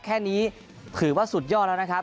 แค่นี้ถือว่าสุดยอดแล้วนะครับ